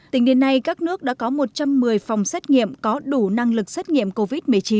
tính đến nay các nước đã có một trăm một mươi phòng xét nghiệm có đủ năng lực xét nghiệm covid một mươi chín